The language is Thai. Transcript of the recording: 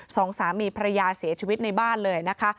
สองสามีภรรยาเสียชีวิตในบ้านเลยนะคะ